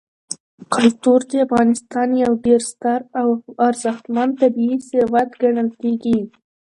کلتور د افغانستان یو ډېر ستر او ارزښتمن طبعي ثروت ګڼل کېږي.